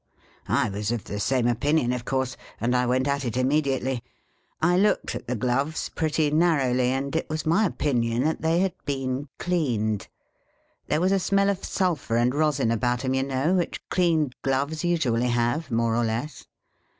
" I was of the same opinion, of course, and I went at it immediately. I looked at the gloves pretty narrowly, and it was my opinion that they had been cleaned. There was a smell of sulphur and rosin about 'em, you know, which cleaned gloves usually have, more or less.